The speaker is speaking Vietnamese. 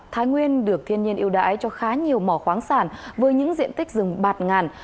thái nguyên được thiên nhiên yêu đáy cho khá nhiều mỏ khoáng sản với những diện tích rừng bạt ngàn